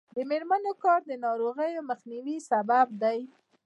د میرمنو کار د ناروغیو مخنیوي سبب دی.